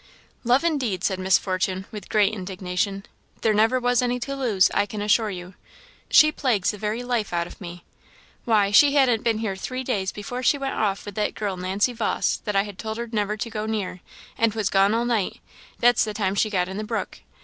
"Love, indeed!" said Miss Fortune, with great indignation; "there never was any to lose, I can assure you. She plagues the very life out of me. Why, she hadn't been here three days before she went off with that girl Nancy Vawse, that I had told her never to go near, and was gone all night; that's the time she got in the brook.